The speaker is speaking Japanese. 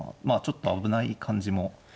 まあちょっと危ない感じも。